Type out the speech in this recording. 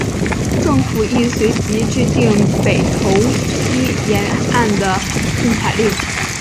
政府亦随即制定北投溪沿岸的禁采令。